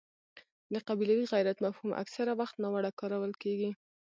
د قبیلوي غیرت مفهوم اکثره وخت ناوړه کارول کېږي.